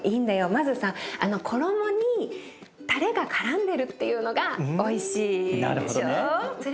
まずさ衣にタレがからんでるっていうのがおいしいでしょ。